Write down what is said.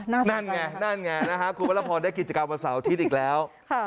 นั่นไงนั่นไงนะฮะคุณวรพรได้กิจกรรมวันเสาร์อาทิตย์อีกแล้ว